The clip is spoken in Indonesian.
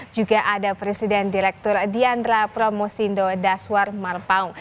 juga ada presiden direktur diandra promosindo daswar marpaung